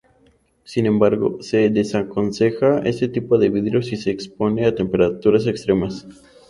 Sin embargo, se desaconseja este tipo de vidrio si se expone a temperaturas extremas.